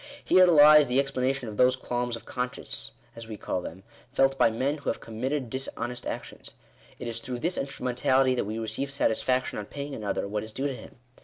Here lies the ex planation of those qualms of conscience, as we call them, felt by men who have committed dishonest actions. It is through this instrumentality that we receive satisfaction on paying another what is due to him.